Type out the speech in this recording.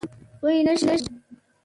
پوی نه شوم.